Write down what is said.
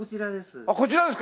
こちらです。